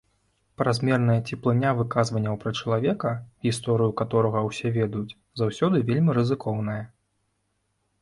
Празмерная цеплыня выказванняў пра чалавека, гісторыю каторага ўсе ведаюць, заўсёды вельмі рызыкоўная.